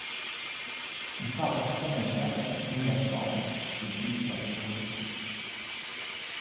"Un sāka skanēt vecais mīļais valsis "Pie Dzintara jūras"."